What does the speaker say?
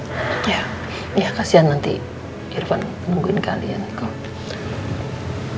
ya ya kasian nanti irfan nungguin kalian